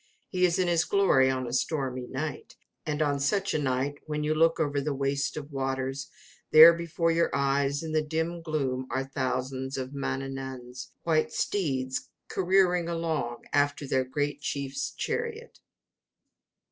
He is in his glory on a stormy night, and on such a night, when you look over the waste of waters, there before your eyes, in the dim gloom, are thousands of Mannanan's white steeds careering along after their great chief's chariot.